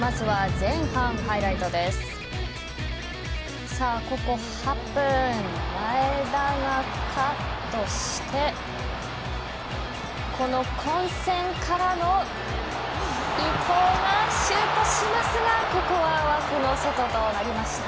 前田がカットしてこの混戦からの伊東がシュートしますがここは枠の外となりました。